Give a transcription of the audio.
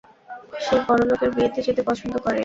সে বড়লোকের বিয়েতে যেতে পছন্দ করে।